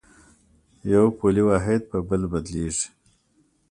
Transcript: یو پولي واحد په بل بدلېږي.